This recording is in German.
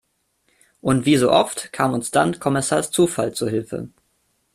Und wie so oft kam uns dann Kommissar Zufall zu Hilfe.